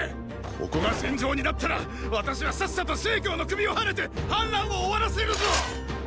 ここが戦場になったら私はさっさと成の首をはねて反乱を終わらせるぞ！